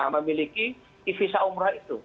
memiliki visa umrah itu